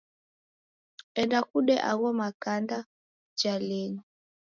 Enda kude agho makanda kijalenyi.